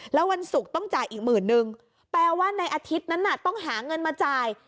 แล้ววันศุกร์ต้องจ่ายอีกหมื่นนึงแปลว่าในอาทิตย์นั้นต้องหาเงินมาจ่าย